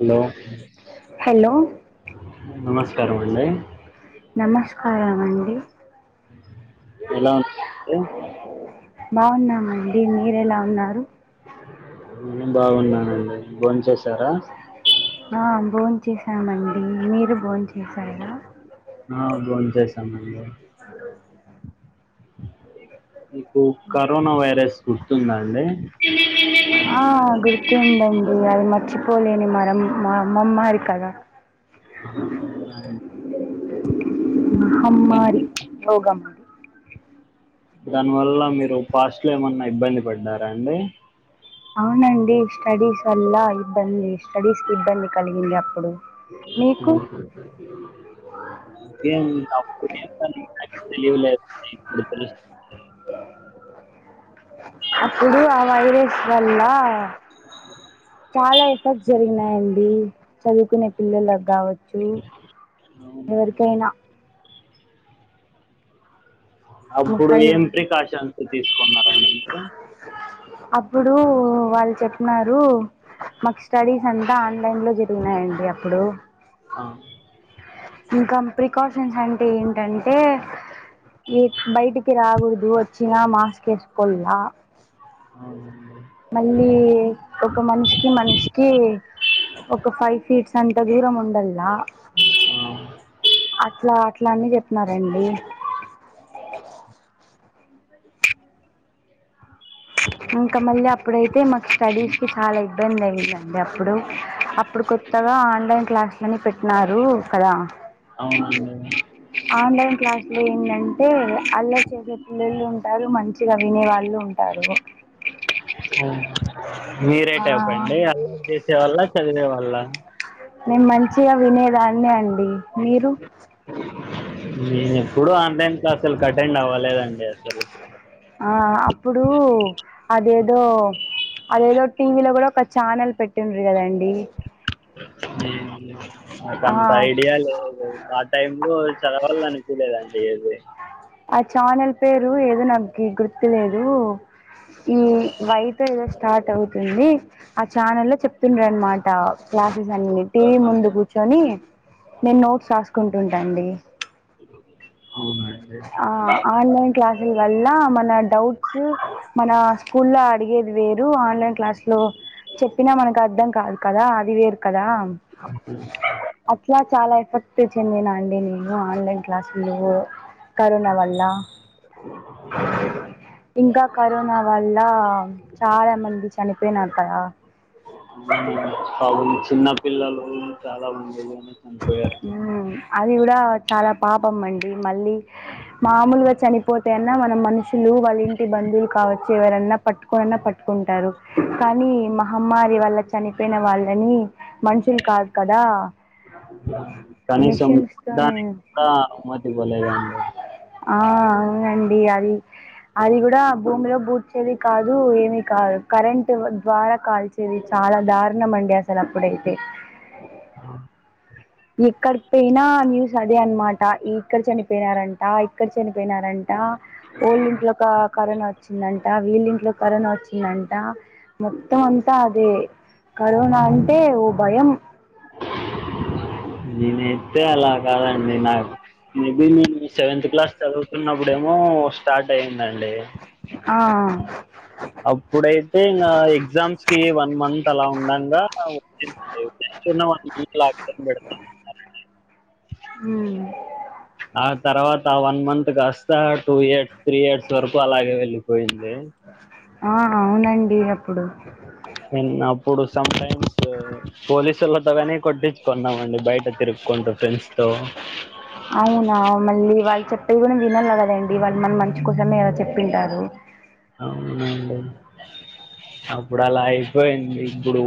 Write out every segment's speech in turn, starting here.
Hello hello నమస్కారం అండి నమస్కారం అండి ఎలా ఉ [inaudible] బాగున్నామండి మీర ఎలా ఉన్నారు నేను బాగున్నానండి బోన్ చేసారా ఆ భోన్ చేసామండి మీరు భోన్ చేసారా ఆ బో చేసమండి హలో మీకు కరోనా వైరస్ గుర్తుందా అండి ఆ గుర్తు ఉందండి అది మర్చి పోలేని మర మా మామ్మరి కద మహమ్మారి భోగామ్మది దానివల్ల మీరు పాస్ట్ లో ఏమన్నా ఇబ్బంది పడ్డారా అండి అవునండి స్టడీస్ వల్ల ఇబ్బంది స్టడీస్ కి ఇబ్బంది కలిగింది అప్పుడు మీకు ఆ ఏం అప్పుడేం తెలియలేం కానీ ఇప్పుడు తెలుస్తుంది అప్పుడు ఆ వైరస్ వల్ల చాలా ఎఫెక్ట్ జరిగినాయండి చదువుకునే పిల్లలకి కావచ్చు అవునండి ఎవరికైనా అప్పుడు ముసలి ఏం వా ప్రికాషన్స్ తీసుకున్నరు అండి మీరు అప్పుడు వాళ్ళు చెప్న్నారు మాకు స్టడీస్ అంతా ఆన్లైన్ లో జప్ జరుగుతున్నాయండి అప్పుడు ఆ ఇంకా ప్రికాషన్స్ అంటే ఏంటంటే ఈ బయటికి రాకూడదు ఇ వచ్చిన మాస్ ఎసుకోల్లా ఆ మళ్ళీ ఒక మనిషికి మనిషికి ఒక ఫైవ్ ఫీట్స్ అంతా దూరం ఉండల్లా ఆ అట్లా అట్ల అన్న చెప్ న్నారండి ఇంకా మళ్ళీ అప్పుడైతే మాకు స్టడీస్‌కి చాలా ఇబ్బంది అయిందండి అప్పుడు అప్పుడు కొత్తగా ఆన్లైన్ క్లాసులని పెట్టినారు కదా అవునండి క్లాసులో ఏందంటే అల్లరి చేసే పిల్లలు ఉంటారు మంచిగా వినేవాళ్ళు ఉంటారు మీరే ఆ టైప్ అండి అల్లరి చేసేవాళ్ళ చదివే వాళ్ళ నేను మంచిగా వినేదాన్నే అండి మీరు నేను ఎప్పుడు ఆన్లైన్ క్లాసులకు అటెండ్ అవ్వలేదండి అసలు ఆ అప్పుడు అదేదో అదేదో టీవీలో కూడా ఛానల్ పెట్టిండ్రి కదండి నాకు ఆ అంత ఐడియా లేదు ఆ టైం లో చదవాలను పిలేదు అండి ఏది ఆ ఛానల్ పేరు ఏదో నాకి గుర్తులేదు ఈ వై తో ఏదో స్టార్ట్ అవుతుంది ఆ ఛానల్ల్లో చెప్తుండ్రి అనమాట క్లాసెస్ అన్ని టీవీ ముందు కూర్చొని నేను నోట్స్ రాసుకుంటుంటాండి అవునా ఆ ఆన్లైన్ క్లాసుల వల్ల మన డౌట్స్ మన స్కూల్ లో అడిగే వేరు ఆన్లైన్ క్లాస్ లో చెప్పినా మనకు అర్ధం కాదు కదా అది వేరు కదా అట్లా చాలా ఎఫెక్ట్ చెందిన అండి నేను ఆన్లైన్ క్లాసులో కరోన వల్లా ఇంకా కరోనా వల్ల చాలా మంది చనిపోయినారు కదా అవును చిన్న పిల్లలు చాలా మంది చనిపోయారండీ హ్మ్. అది కూడా చాలా పాపం అండి మళ్ళీ మామూలుగా చనిపోతేఅన్నా మన మనుషులు వాళ్ళ ఇంటి బంధువులు కావచ్చు ఎవరన్నా పట్టుకోనన్నా పట్టుకో కుంటారు కానీ మహమ్మారి వల్ల చనిపోయిన వాళ్ళని మనుషులు కాదు కా కదా కనీసం మిషన్స్‌తోనే దానికి కూడా అనుమతి ఇవ్వలేదండి ఆ అవునండి అది అది కూడా భూమిలో పూడ్చేది కాదు ఏమి కాదు కరెంట్ ద్వారా కాల్చేది చాలా దారుణం అండి అసలు అప్పుడైతే ఆ ఎక్కడి పోయినా న్యూస్ అదే అనమాట ఇక్కడ చనిపోయినారంట ఇక్కడ చనిపోయినారం టా ఓళ్ళింట్లో ఒక కరోనా వచ్చిందంట వీళ్ళింట్లో కరోనా వచ్చిందంట మొత్తం అంతా అదే కరోనా అంటే ఒ భయం నేనైతే అలా కాదండి నా మేబి నేను సెవెంత్ క్లాస్ చదువుతున్నప్పుడేమో స్టార్ట్ అయింది ఆ అప్పుడైతే ఇంగ ఎగ్జామ్స్ కి వన్ మంత్ అలా ఉండగా వచ్చిందండి వన్ మంత్ లాక్ డౌన్ పెడతామన్నారండి ఉమ్, ఆ తర్వా త వన్ మంత్ కాస్త టూ ఇయర్స్ త్రీ ఇయర్స్ వరకు అలాగే వెళ్లిపోయింది ఆ అవునండి అప్పుడు నేన్ అప్పుడు సంటైమ్స్ పోలీస్ తొగని కొట్టించుకున్నామం అండి బయట తిరుక్కుంటూ ఫ్రెండ్స్తో అవునా మళ్ళీ వాళ్ళు చెప్తే విన్నల కదండి వాళ్ళు మన మంచి కోసమే కదా చెప్పింటారు అవునండి అప్పుడు అలా అయిపోయింది ఇప్పుడు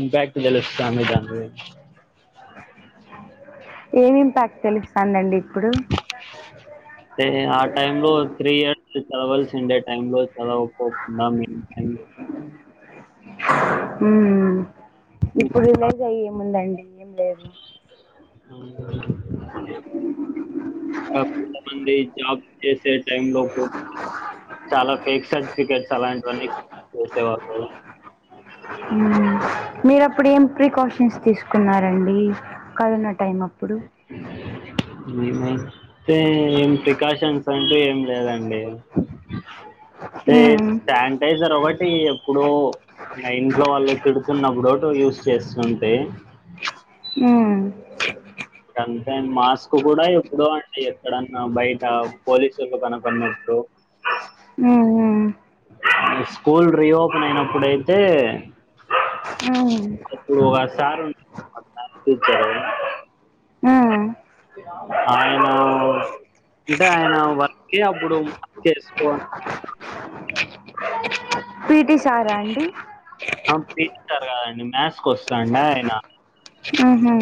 ఇంపాక్ట్ తెలుస్తాంది దాని గురించి ఏమి ఇంపాక్ట్ తెలుస్తందండి ఇప్పుడు ఏ ఆ టైం లో త్రీ ఇయర్స్ చదవల్సిండే టైం లో చదవపోక్ నా మీన్ అయి ఉమ్ ఇప్పుడు లేజయిముందండి ఏం లేదు అవునం జాబ్ కొంతమంది జాబ్ చేసేద్ టైం లోపు చాలా ఫేక్ సర్టిఫికెట్స్ అలాంటివన్ని చేసేవాళ్లు మ్మ్. మీరు అప్పుడు ఏం ప్రికాషన్స్ తీసుకున్నారండి కరోనా టైం అప్పుడు తే ఏం ప్రికాషన్స్ అంటే ఏం లేదండి టే మ్మ్. శానిటైజర్ ఒకటి ఎప్పుడో మా ఇంట్లో వాళ్ళు తిడుతున్నప్పుడో యూస్ చేస్తుంటే హు ఇక అంతే మాస్క్ కూడా ఎప్పుడో అండి ఎక్కడన్నా బయట పోలీసులు కనపడినప్పుడు మ్మ్. మీ స్కూల్ రీఓపెన్ అయినప్పుడయితే మ్మ్. అప్పుడు ఆ సార్ ఉంటుండే మా క్లాస్ టీచరు ఉ ఆయనా అంటే ఆయన వర్క్ కీ అప్పుడు మాస్క్ వేసుకోవాలి [inaudible] [inaudible] [inaudible] పిటీ సారా అండి ఆం పిటీ సార్ కదండి మ్యాక్స్ కోస్తాండే ఆయన ఉహు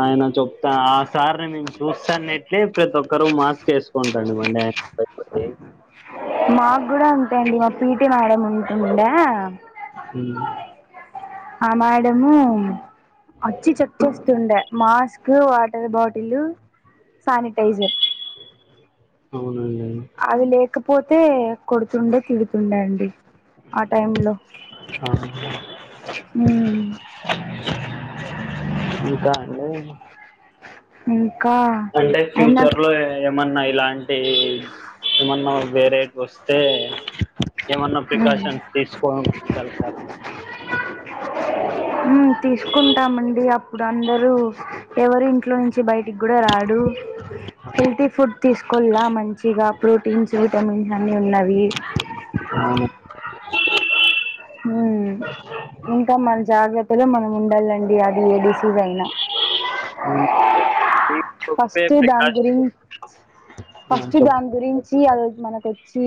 ఆయన చెప్తా ఆ సార్ని మేమ్ చూస్తాన్నిట్లే ప్రతోక్కరు మాస్క్ వేస్ కుంటండిమండి ఆయన కు బయపడి మాక్ కూడా అంతే అండి మా పీటీ మేడం ఉంటుండే ఆ మేడము అచ్చి చెక్ చేస్తుండే మాస్క్ వాటర్ బాటిలు సనిటైజర్ అవునండి అది లేకపోతే కొడుతుండే తిడుతుండే అండి ఆ టైమ్ లో ఆ ఉ ఇంకా అండి మ్ అంటే ఫ్యూచర్ లో ఏం మన్నా ఇలాంటి ఏమన్నా వేరేట్ వోస్తే ఏమన్నా ఉమ్ ప్రికాషన్స్ తీసుకోన్ కలుతారు [unintelligible] [inaudible] మ్ తీసుకుంటామండి అప్పుడు అందరూ ఎవరి ఇంట్లో నుంచి బయటిక్ కూడా రాడు [unintelligible] [inaudible] హెల్తీ ఫుడ్ తీసుకొల్లా మంచిగా ప్రోటీన్స్, విటమిన్స్ అన్ని ఉన్నవి అవును మ్ ఇంకా మన జాగ్ర త్తలో మనం ఉండాలండి అది ఏ డిసీజ్ అయినా ఉ ఫస్ట్ దాన్ గురించ్ ఫస్ట్ చెప్ దాని గురించి అదోట్ మనక్ వచ్చి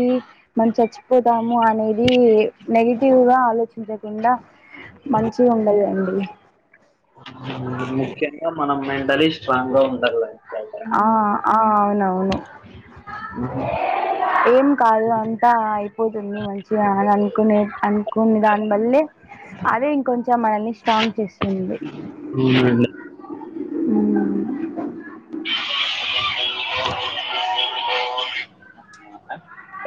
మన్ చచ్చిపోతాము అనేది నెగిట్ టివ్ గా ఆలోచించకుండా మంచిగుండలి అండి ముఖ్యంగా మనం మెంటల్లి స్ట్రాంగ్ గా ఉండాల్ల ఆ ఆ అవునవును ఆహా ఏం కాదు అంతా అయిపోతుంది మంచిగా అని అనుకునే అనుకుని దానివల్లే అదే ఇంకొంచం చం మనల్ని స్ట్రాంగ్ చేస్తుంది అవునండి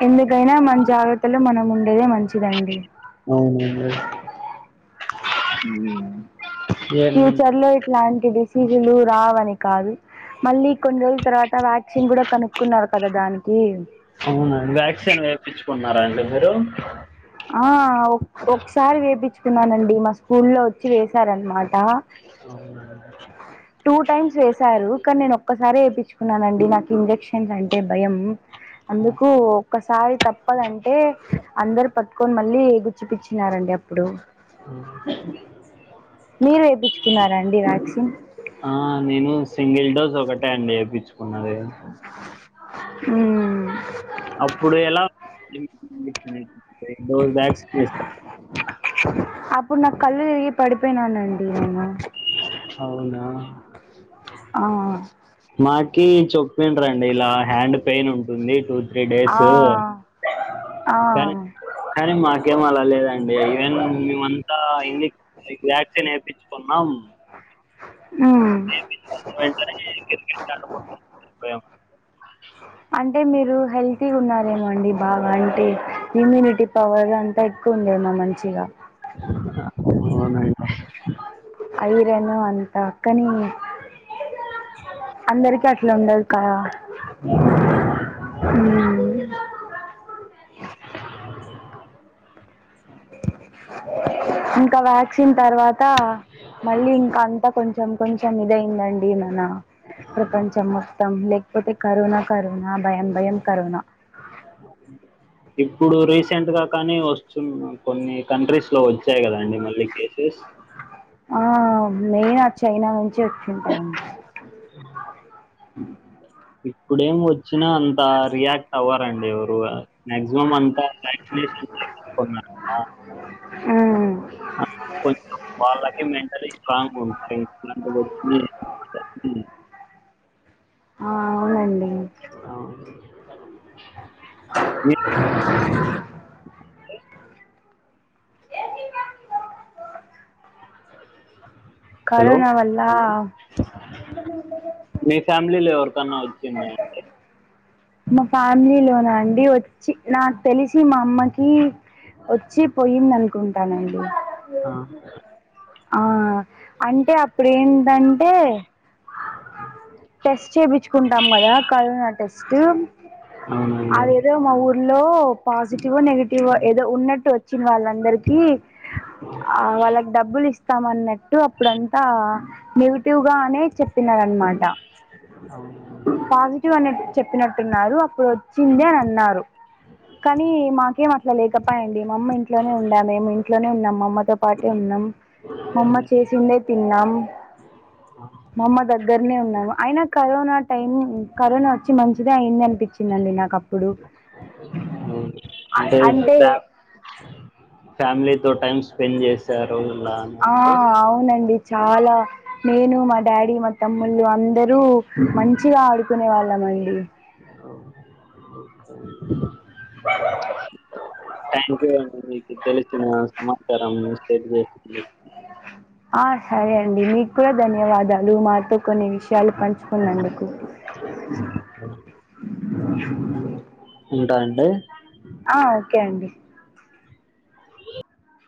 ఎందుకైనా మన జాగ్రత్తలో మనం ఉ ఉండేదే మంచిదండి అవునండి మ్ ఏం ఫ్యూచర్ లో ఇట్లాంటి డిసీజ్ సీసులు రావని కాదు మళ్ళీ కొన్నీ రోజ్లు తరవ త వ్యాక్సిన్ కూడా కనుక్కున్నారు కదా దానికి ఎవ్వరు ఆ ఒకసారి వేపించుకున్నానండి మా స్కూల్లో వచ్చి వేసారనమాట అవునండి టూ టైమ్స్ వేసారు కానీ నేను ఒక్కసారిే వేయిించుకున్నానండి నాకు ఇంజెక్షన్స్ అంటే భయం అందుకు ఒక్కసారి తప్పదంటే అందరు పట్టుకొని మళ్ళీ గుచ్చి పిచ్చినారండి మీరు వేయించుకున్నారా అండి వ్యాక్సిన్ ఆ నేను సింగిల్ డోస్ ఒక టే అండి వేపిచ్చుకున్నది మ్మ్ అప్పుడు ఎలా డోస్ బ్యాక్స్కి వేస్ త అప్పుడు నాకు కళ్ళు తిరిగి పడిపోయినానండి నేను అవునా ఆ మాకీ చెప్పింద్రండి ఇలా హ్యాండ్ పెయిన్ ఉంటుంది టూ త్రీ ఆ డేస్ ఆ కానీ కానీ మా ఏం అలా లేదండి ఈవెన్ మేమంతా ఇంగ్లీ వ్యాక్సిన్ యేపిచ్చుకున్నాం [inaudible] క్ర చ [unintelligible] అంటే మీరు హెల్తీగా ఉన్నారేమో అండి బాగా అంటే ఇమ్యూనిటీ పవర్ అంతా ఉందేమో మంచిగా అ [inaudible] ఐరను అంతా కాని అందరికీ అట్ల ఉండదు కదా అవును. ఉమ్ ఇంకా వ్యాక్సిన్ తర్వాత మళ్ళీ ఇంకా అంతా కొంచెం కొంచం కొంచెం ఇదైందండి మన ప్రపంచం మొత్తం పోతే కరోనా కరోనా భయం భయం కరోనా [inaudible] ఇప్పుడు రీసెంట్ గా కానీ వస్తున్న కొన్ని కంట్రీస్ లో వచ్చాయి కదండి మళ్ళీ కేసు కేస్ ఆ మేన్ చైనా నుంచి వచ్చింటాయండి ఇప్పుడేమి వచ్చినా అంత రియాక్ట్ అవ్వరండి ఎవరు మ్యాక్సిమం అంతా వాక్సినేషన్ యేపిచ్చు కున్నారు కదా ఆ అ [inaudible] కొంచంఅం వాళ్ళకి మెంటలీ స్ట్రాంగ్ ఉంటారు ఇంటి వచ్చి [inaudible] ఆ అవునండి అవును హలో కరోనా వల్ల మీ ఫ్యామిలీలో ఎవరికన్నా వచ్చిందా అండి మా ఫ్యామిలీ లోనా అండి వచ్చి నాకు తెలిసి మా అమ్మకి వచ్చి పోయిందనుకుంటానండి ఆ ఆ అంటే అప్పుడు ఏంటంటే [inaudible] టెస్ట్ చేయించుకుంటాం కదా కరోనా టెస్ట్ అవునండి అదేదో మా ఊరు లో పాజిటివో నెగిటివో ఏదో ఉన్నట్టు వచ్చింది వాళ్ళందరికి ఆ వాళ్ళకి డబ్బులు ఇస్త స్తామన్నట్టు అప్పుడంతా నెగిటివ్ గానే చెప్పినర్ అన్నమాట అవును పాజిటివ్ అనే చెప్పినట్టున్నారు అప్పుడు వచ్చింది అని అన్నారు కానీ మాకేం అట్లా లేకపాయే అండి మా అమ్మ ఇంట్లోనే ఉండ మేము ఇంట్లోనే ఉన్నాం మా అమ్మతో పాటే ఉన్నాం మా అమ్మ చేసిండే తిన్నాం మా అమ్మ దగ్గర నే ఉన్నాము అయిన కరోనా టైం కరోనా వచ్చి మంచిదే అయింది అనిపించిందండి నాకు అప్పుడు అంటే ఫ్యామిలీ తో టైమ్ స్పెండ్ చేసి ఆ అవునండి చాలా నేను మా డాడీ మా తమ్ముళ్ళు అందరూ మంచిగా ఆడుకునే వాళ్ళం అండి [inaudible] థ్యాంక్ యూ అండి మీకు తెలిసిన సమాచారంన్ని షేర్ చేసినందుకు ఆ సరే అండి మీకు కూడా ధన్యవాదాలు మా తో కొన్ని విషయాలు పంచుకున్నందుకు ఉంట ఆ ఓకే అండి. [inaudible]